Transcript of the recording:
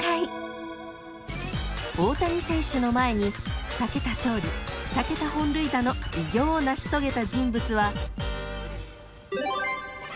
［大谷選手の前に２桁勝利２桁本塁打の偉業を成し遂げた人物は］